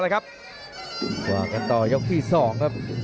ก็ไปกันต่อยกฟ์ที่สอง